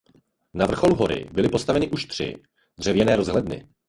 Na vrcholu hory byly postaveny už tři dřevěné rozhledny.